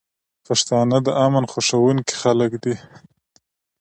پښتانه د امن خوښونکي خلک دي.